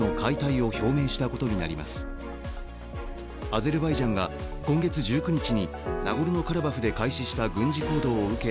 アゼルバイジャンが今月１９日にナゴルノ・カラバフで開始した軍事行動を受け